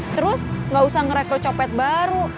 terus gak usah ngerekrut copet baru